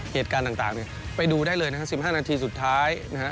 เหตุการณ์ต่างไปดูได้เลยนะครับ๑๕นาทีสุดท้าย